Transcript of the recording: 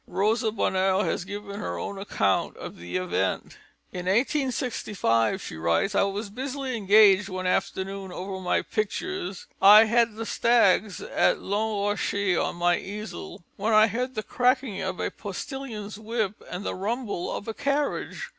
Rosa Bonheur has given her own account of the event: "In 1865," she writes, "I was busily engaged one afternoon over my pictures (I had the Stags at Long Rocher on my easel), when I heard the cracking of a postillion's whip and the rumble of a carriage.